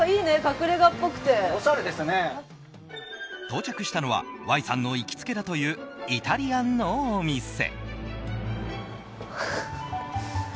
到着したのはＹさんの行きつけだというイタリアンのお店。